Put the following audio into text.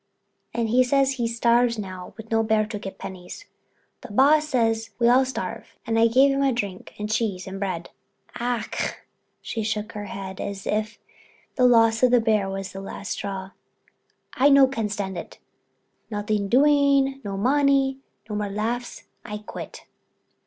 And he says he starve now with no bear to get pennies. The boss says we all starve, and gave him a drink and cheese and bread. Ach!"—she shook her head, as if the loss of the bear was the last straw—"I no can stand it—nothing doing, no money, no more laughs—I quit."